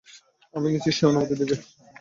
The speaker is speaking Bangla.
আমি নিশ্চিত সে অনুমতি দেবে।